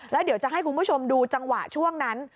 แล้วเดี๋ยวจะให้คุณผู้ชมดูจังหวะช่วงนั้น